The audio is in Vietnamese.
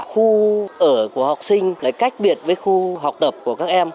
khu ở của học sinh lại cách biệt với khu học tập của các em